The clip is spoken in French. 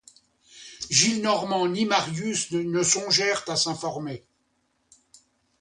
Gillenormand ni Marius ne songèrent à s'informer.